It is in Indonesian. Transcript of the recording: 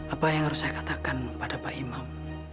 apa yang harus saya katakan kepada pak imam